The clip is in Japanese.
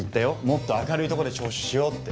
「もっと明るいとこで聴取しよう」って。